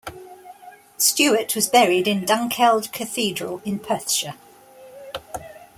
Stewart was buried in Dunkeld Cathedral in Perthshire.